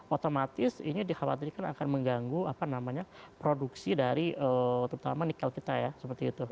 otomatis ini dikhawatirkan akan mengganggu produksi dari terutama nikel kita ya seperti itu